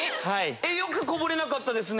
よくこぼれなかったですね。